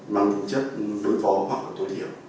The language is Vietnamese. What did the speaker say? mang tính chất đối phó hoặc tối hiểm